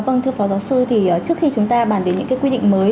vâng thưa phó giáo sư thì trước khi chúng ta bàn đến những quy định mới